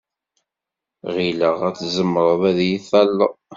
Ɣileɣ ad tzemred ad iyi-talled.